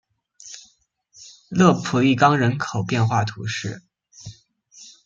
勒普利冈人口变化图示